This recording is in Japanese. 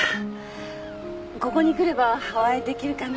ここに来ればお会いできるかなと思って。